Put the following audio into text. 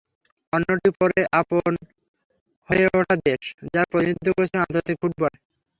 অন্যটি পরে আপন হয়ে ওঠা দেশ, যার প্রতিনিধিত্ব করেছেন আন্তর্জাতিক ফুটবলে।